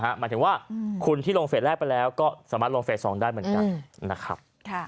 หมายถึงว่าคุณที่ลงเฟสแรกไปแล้วก็สามารถลงเฟส๒ได้เหมือนกันนะครับ